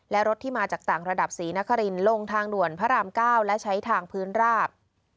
และรถที่มาจากต่างระดับศรีนครินลงทางด่วนพระราม๙และใช้ทางพื้นราบ